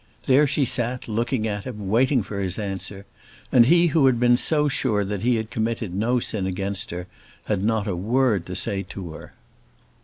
There she sat, looking at him, waiting for his answer; and he who had been so sure that he had committed no sin against her, had not a word to say to her.